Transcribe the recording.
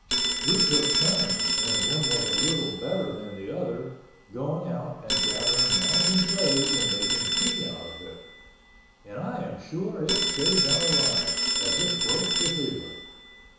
We took turns, when one was a little better than the other, going out and gathering mountain sage and making tea out of it—and I am sure it saved our lives, as it broke the fever.